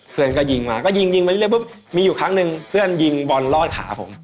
เพื่อนก็ยิงมาก็ยิงยิงไปเรื่อยปุ๊บมีอยู่ครั้งหนึ่งเพื่อนยิงบอลลอดขาผม